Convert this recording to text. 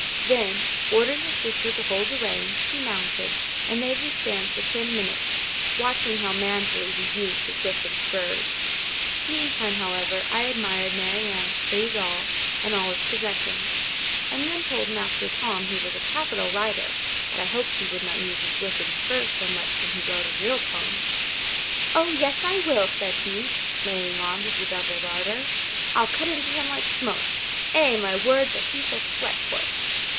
Then, ordering his sister to hold the reins, he mounted, and made me stand for ten minutes, watching how manfully he used his whip and spurs. Meantime, however, I admired Mary Ann's pretty doll, and all its possessions; and then told Master Tom he was a capital rider, but I hoped he would not use his whip and spurs so much when he rode a real pony. "Oh, yes, I will!" said he, laying on with redoubled ardour. "I'll cut into him like smoke! Eeh! my word! but he shall sweat for it."